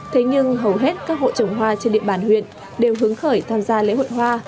thế nhưng hầu hết các hộ trồng hoa trên địa bàn huyện đều hứng khởi tham gia lễ hội hoa